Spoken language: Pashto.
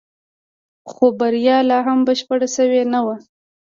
خو بريا لا هم بشپړه شوې نه وه.